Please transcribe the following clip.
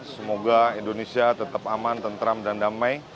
semoga indonesia tetap aman tentram dan damai